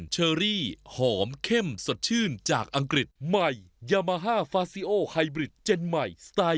ชุมสะท้าย